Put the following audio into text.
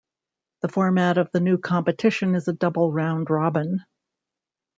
The format of the new competition is a double-round robin.